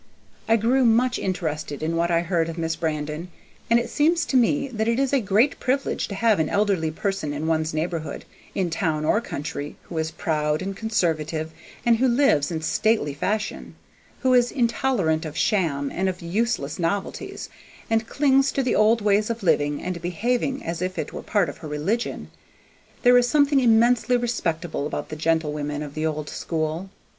I grew much interested in what I heard of Miss Brandon, and it seems to me that it is a great privilege to have an elderly person in one's neighborhood, in town or country, who is proud, and conservative, and who lives in stately fashion; who is intolerant of sham and of useless novelties, and clings to the old ways of living and behaving as if it were part of her religion. There is something immensely respectable about the gentlewomen of the old school.